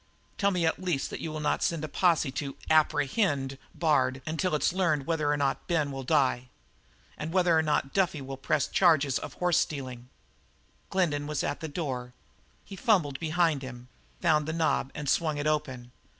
Tell me at least that you will not send a posse to 'apprehend' Bard until it's learned whether or not Ben will die and whether or not Duffy will press the charge of horse stealing." Glendin was at the door. He fumbled behind him, found the knob, and swung it open.